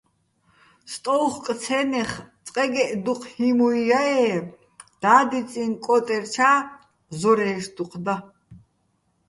სტო́უხკო̆-ცე́ნეხ წყეგეჸ დუჴ ჰიმუჲ ჲა-ე́ და́დიწიჼ კო́ტერჩა́ ზორაჲშ დუჴ და.